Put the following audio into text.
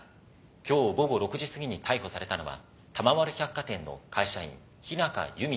今日午後６時すぎに逮捕されたのは玉丸百貨店の会社員日中弓容疑者３３歳です。